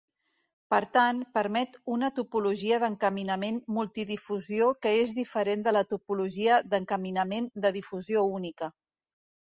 Per tant, permet una topologia d"encaminament multidifusió que és diferent de la topologia d"encaminament de difusió única.